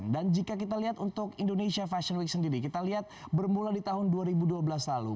dan jika kita lihat untuk indonesia fashion week sendiri kita lihat bermula di tahun dua ribu dua belas lalu